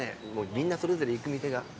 みんなそれぞれ行く店が。